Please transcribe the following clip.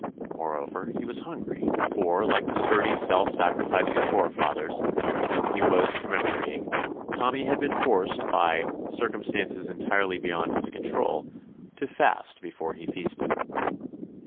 Moreover, he was hungry, for, like the sturdy, self sacrificing forefathers, whom he was commemorating, Tommy had been forced by "circumstances entirely be 211 THE ADVENTURES OF yond his control" to fast before he feasted.